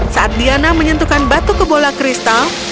saat diana menyentuhkan batu ke bola kristal